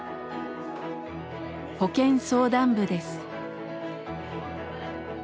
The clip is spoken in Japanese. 保健相談部です。